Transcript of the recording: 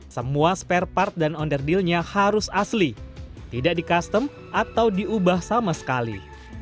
semua spare part dan onder dealnya harus asli tidak di custom atau diubah sama sekali